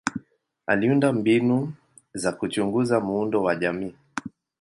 Aliunda mbinu za kuchunguza muundo wa jamii.